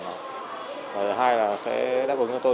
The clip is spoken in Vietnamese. thứ hai là sẽ đáp ứng cho tôi